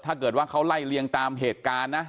ถ้าเกิดว่าเขาไล่เลียงตามเหตุการณ์นะ